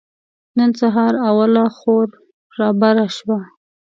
نن سهار اوله خور رابره شوه.